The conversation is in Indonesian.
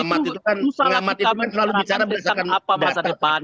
itu usahalah kita melakukan apa masa depan